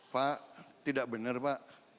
pak tidak benar pak